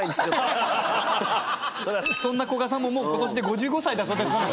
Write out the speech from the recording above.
そんな古賀さんももうことしで５５歳だそうです。